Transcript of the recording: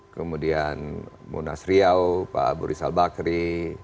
kemudian munas riau pak buri salbakri